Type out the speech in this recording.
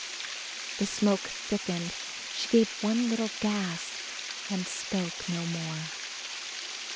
The smoke thickened, she gave one little gasp and spoke no more.